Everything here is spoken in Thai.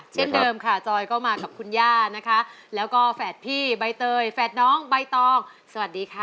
เช่นเดิมจอยเข้ามากับคุณย่าแล้วก็แฝดพี่ใบเตยแฝดน้องใบตองสวัสดีครับ